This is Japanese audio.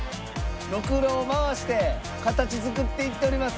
ろくろを回して形作っていっております。